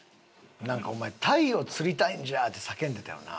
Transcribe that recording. お前「タイを釣りたいんじゃ！！」って叫んでたよな？